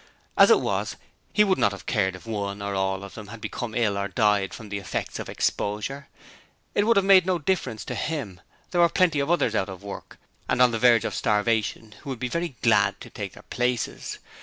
As it was, HE would not have cared if one or all of them had become ill or died from the effects of exposure. It would have made no difference to him. There were plenty of others out of work and on the verge of starvation who would be very glad to take their places.